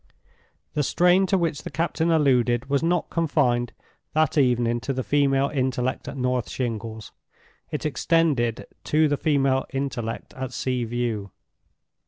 The strain to which the captain alluded was not confined that evening to the female intellect at North Shingles: it extended to the female intellect at Sea View.